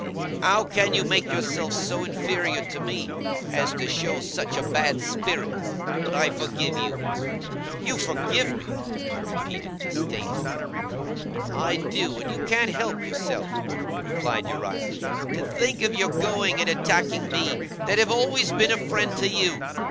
How can you make yourself so inferior to me, as to show such a bad spirit? But I forgive you.' 'You forgive me!' I repeated disdainfully. 'I do, and you can't help yourself,' replied Uriah. 'To think of your going and attacking me, that have always been a friend to you!